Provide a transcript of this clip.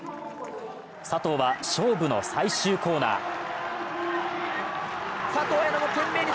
佐藤は勝負の最終コーナー。